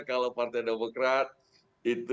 kalau partai demokrat itu